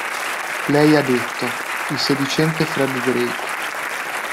Lei ha detto: il sedicente Fred Drake.